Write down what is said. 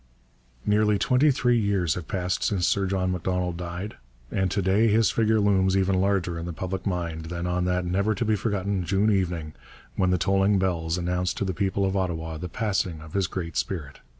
Nearly twenty three years have passed since Sir John Macdonald died, and to day his figure looms even larger in the public mind than on that never to be forgotten June evening when the tolling bells announced to the people of Ottawa the passing of his great spirit.